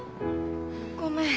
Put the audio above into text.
ごめん。